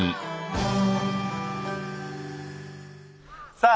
さあ